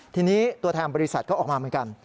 ทีนี้ตัวแทนบริษัทก็ออกมาเหมือนกัน